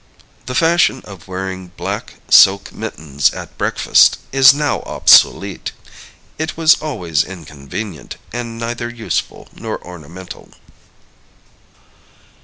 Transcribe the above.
The fashion of wearing black silk mittens at breakfast is now obsolete. It was always inconvenient, and neither useful nor ornamental.